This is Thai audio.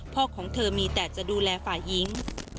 ของเธอมีแต่จะดูแลฝ่ายหญิง